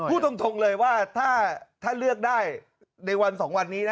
พูดตรงเลยว่าถ้าเลือกได้ในวัน๒วันนี้นะ